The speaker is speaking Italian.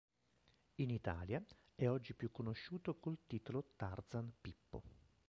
In Italia è oggi più conosciuto col titolo Tarzan Pippo.